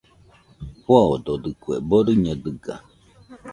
Foododɨkue, boriño dɨga